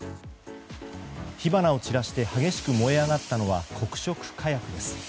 火花を散らして激しく燃え上がったのは黒色火薬です。